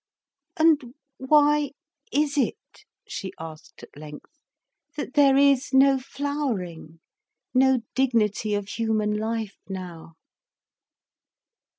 "And why is it," she asked at length, "that there is no flowering, no dignity of human life now?"